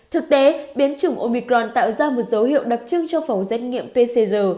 thực tế biến chủng omicron tạo ra một dấu hiệu đặc trưng cho phòng xét nghiệm pcr